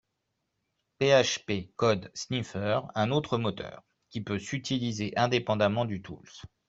PHP Code Sniffer un autre moteur, qui peut s'utiliser indépendement du Tools